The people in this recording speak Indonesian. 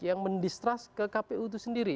yang mendistrust ke kpu itu sendiri